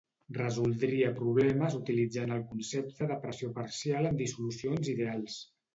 Resoldria problemes utilitzant el concepte de pressió parcial en dissolucions ideals.